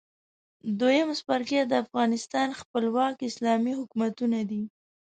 دویم څپرکی د افغانستان خپلواک اسلامي حکومتونه دي.